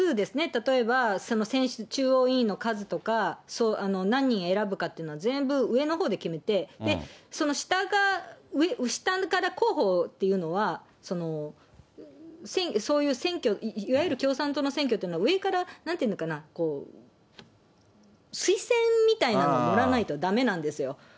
例えば、その中央委員の数とか、何人選ぶかっていうのは、全部上のほうで決めて、その下から候補っていうのは、そういう選挙、いわゆる共産党の選挙というのは、上からなんていうのかな、推薦みたいなものをもらわないとだめなんですよ。